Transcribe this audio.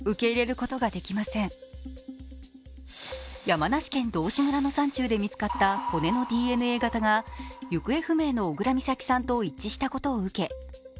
山梨県道志村の山中で見つかった骨のＤＮＡ型が行方不明の小倉美咲さんと一致したことを受け